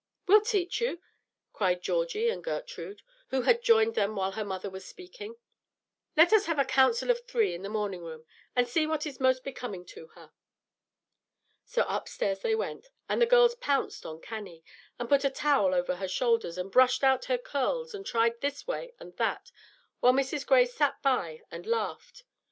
"We'll teach you," cried Georgie and Gertrude, who had joined them while her mother was speaking. "Let us have a 'Council of Three' in the morning room, and see what is most becoming to her." So upstairs they went, and the girls pounced on Cannie, and put a towel over her shoulders, and brushed out her curls, and tried this way and that, while Mrs. Gray sat by and laughed.